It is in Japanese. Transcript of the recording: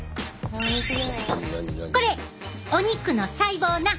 これお肉の細胞な！